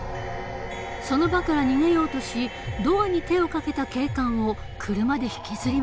その場から逃げようとしドアに手をかけた警官を車で引きずり回した。